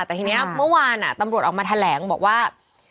แต่ทีนี้เมื่อวานตำรวจออกมาแถลงบอกว่า